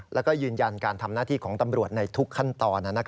แล้วก็ยืนยันการทำหน้าที่ของตำรวจในทุกขั้นตอน